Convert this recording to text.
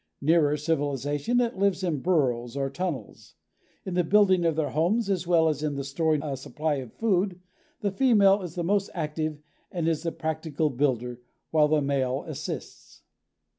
Nearer civilization it lives in burrows or tunnels. In the building of their homes, as well as in the storing of a supply of food, the female is the most active and is the practical builder, while the male assists.